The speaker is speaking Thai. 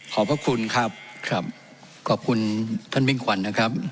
พระคุณครับครับขอบคุณท่านมิ่งขวัญนะครับ